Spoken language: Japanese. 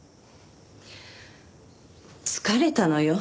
疲れたのよ